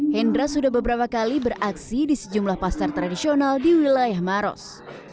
hendra sudah beberapa kali beraksi di sejumlah pasar tradisional di wilayah maros